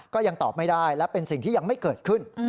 ก็ยังตอบไม่ได้และเป็นสิ่งที่ยังไม่เกิดขึ้น